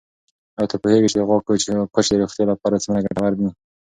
آیا ته پوهېږې چې د غوا کوچ د روغتیا لپاره څومره ګټور دی؟